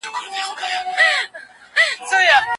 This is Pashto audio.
هغه څېړنه چي په شک پیل سي په یقین پای ته رسېږي.